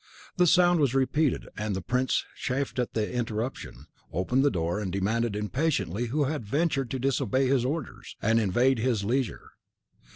The sound was repeated, and the prince, chafed at the interruption, opened the door and demanded impatiently who had ventured to disobey his orders, and invade his leisure.